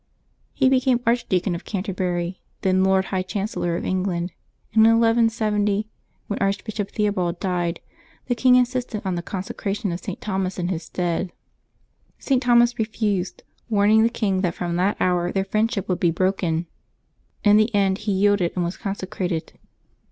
He became Archdeacon of Canterbury, then Lord High Chancellor of England; and in 1160, when Archbishop Theobald died, the king insisted on the consecration of St. Thomas in his stead. St. Thomas refused, warning the king that from that hour their friendship would be broken. In the end he yielded, ajl was consecrated.